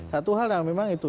satu hal memang itu